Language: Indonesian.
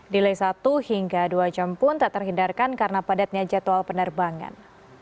delay satu hingga dua jam pun tak terhindarkan karena padatnya jadwal penerbangan